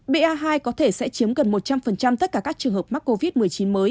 ba hai có thể sẽ chiếm gần một trăm linh tất cả các trường hợp mắc covid một mươi chín mới